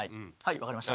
分かりました。